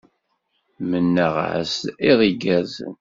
Mennaɣ-as iḍ igerrzen.